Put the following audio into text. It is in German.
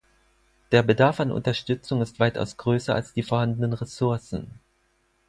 Der Bedarf an Unterstützung ist weitaus größer als die vorhandenen Ressourcen.